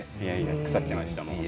腐っていました。